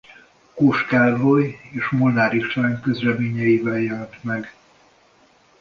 Kós Károly és Molnár István közleményeivel jelent meg.